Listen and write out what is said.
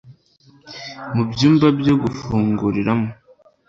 mu byumba byo gufunguriramo